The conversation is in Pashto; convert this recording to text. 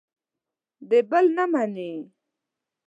د بل نه مني.